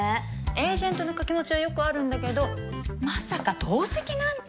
エージェントの掛け持ちはよくあるんだけどまさか同席なんて。